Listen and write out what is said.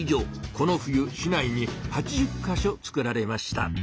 この冬市内に８０か所つくられました。